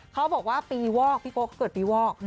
เขาบอกว่าปีวอกพี่โก๊เขาเกิดปีวอก